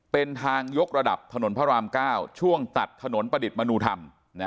เป็นทางยกระดับถนนพระราม๙ช่วงตัดถนนประดิษฐ์มนุธรรม